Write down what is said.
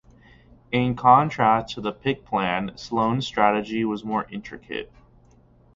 In contrast to the Pick Plan, Sloan's strategy was more intricate.